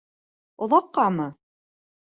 Оҙаҡҡамы?